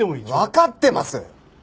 わかってます！